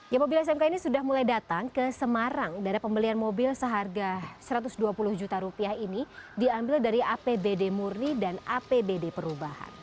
ya mobil smk ini sudah mulai datang ke semarang dana pembelian mobil seharga satu ratus dua puluh juta rupiah ini diambil dari apbd murni dan apbd perubahan